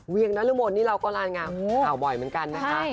เวียงน้ำละมนต์นี่เราก็ร้านงามค่ะบ่อยเหมือนกันนะคะ